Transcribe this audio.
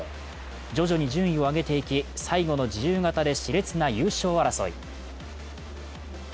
徐々に順位を上げていき、最後の自由形で、しれつな優勝争い。